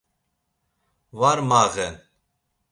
Var mağen.